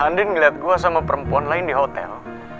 and ngeliat gue sama perempuan lain di hotel